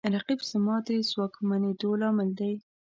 رقیب زما د ځواکمنېدو لامل دی